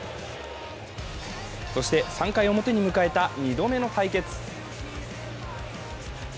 そして３回表に迎えた２度目の対決。